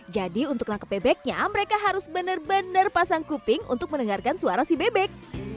jadi untuk tangkap bebeknya mereka harus benar benar pasang kuping untuk mendengarkan suara si bebek